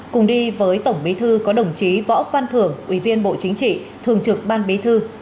cùng đi với tổng bí thư có đồng chí võ văn thưởng ủy viên bộ chính trị thường trực ban bí thư